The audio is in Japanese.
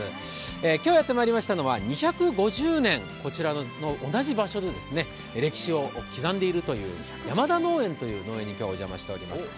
今日やってまいりましたのは２５０年、こちらの同じ場所で歴史を刻んでいるという山田農園という農園にお邪魔しております。